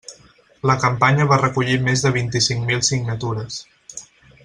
La campanya va recollir més de vint-i-cinc mil signatures.